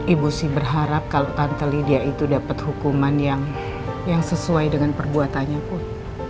ibu sih berharap kalau tante li dia itu dapat hukuman yang sesuai dengan perbuatannya pun